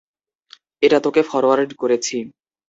এটা তোকে ফরোয়ার্ড করেছি।